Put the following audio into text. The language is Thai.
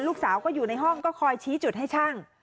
ลูกสาวก็อยู่ในห้องก็คอยชี้จุดให้ช่าง